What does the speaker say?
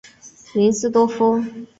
林斯多夫。